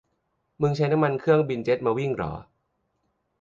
มึงใช้น้ำมันเครื่องบินเจ็ตมาวิ่งเหรอ